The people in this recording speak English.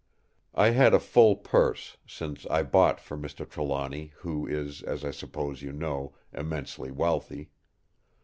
I had a full purse, since I bought for Mr. Trelawny, who is, as I suppose you know, immensely wealthy.